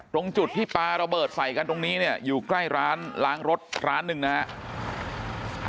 ตรงจุดที่ปลาระเบิดใส่กันตรงนี้เนี่ยอยู่ใกล้ร้านล้างรถร้านหนึ่งนะฮะ